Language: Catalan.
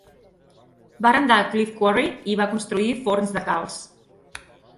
Va arrendar Cliff Quarry i va construir forns de calç.